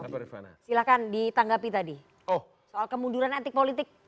silahkan ditanggapi tadi soal kemunduran etik politik